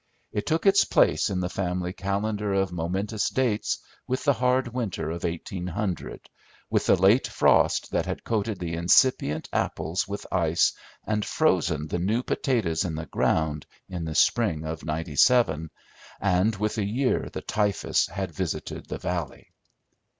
It took its place in the family calendar of momentous dates with the hard winter of 1800, with the late frost that had coated the incipient apples with ice and frozen the new potatoes in the ground in the spring of '97, and with the year the typhus had visited the valley.